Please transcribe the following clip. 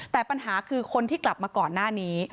แต่ปัญหาคือคนที่กลับมาก่อนหน้านี้